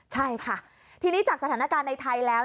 ใช่ค่ะทีนี้จากสถานการณ์ในไทยแล้ว